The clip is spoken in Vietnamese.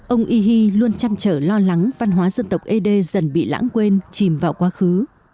ông yhi luôn chăn trở lo lắng văn hóa dân tộc ế đê dần bị lãng quên chìm vào quá khứ